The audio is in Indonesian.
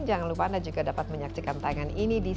jangan lupa anda juga dapat menyaksikan tanyaan ini di